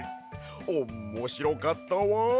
おんもしろかったわ！